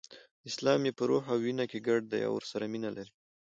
اسلام یې په روح او وینه کې ګډ دی او ورسره مینه لري.